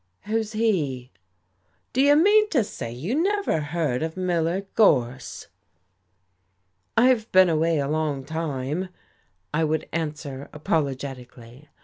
"Who's he?" "Do you mean to say you never heard of Miller Gorse?" "I've been away a long time," I would answer apologetically.